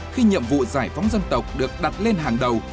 khi nhiệm vụ giải phóng dân tộc được đặt lên hàng đầu